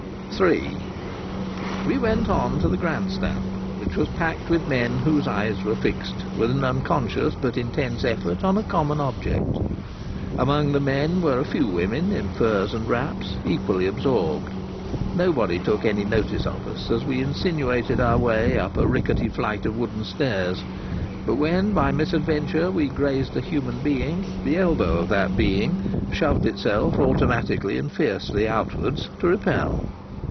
III We went on the Grand Stand, which was packed with men whose eyes were fixed, with an unconscious but intense effort, on a common object. Among the men were a few women in furs and wraps, equally absorbed. Nobody took any notice of us as we insinuated our way up a rickety flight of wooden stairs, but when by misadventure we grazed a human being the elbow of that being shoved itself automatically and fiercely outwards, to repel.